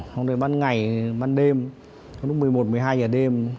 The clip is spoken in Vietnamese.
xong rồi ban ngày ban đêm lúc một mươi một một mươi hai giờ đêm